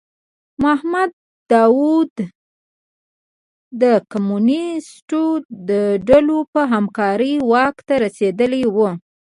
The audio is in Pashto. محمد داوود د کمونیستو ډلو په همکارۍ واک ته رسېدلی و.